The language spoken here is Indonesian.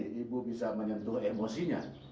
sehingga ibu bisa menyentuh emosinya